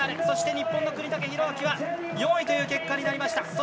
そして、日本の國武大晃は４位という結果になりました。